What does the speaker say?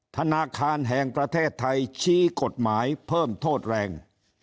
ธนาคารแห่งประเทศไทยชี้กฎหมายเพิ่มโทษแรง